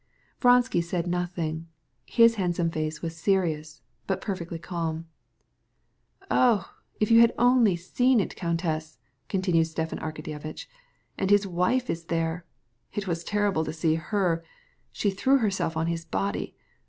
Vronsky did not speak; his handsome face was serious, but perfectly composed. "Oh, if you had seen it, countess," said Stepan Arkadyevitch. "And his wife was there.... It was awful to see her!... She flung herself on the body.